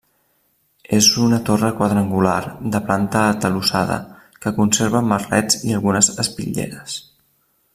És una torre quadrangular de planta atalussada, que conserva merlets i algunes espitlleres.